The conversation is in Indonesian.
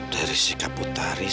dari sikap putari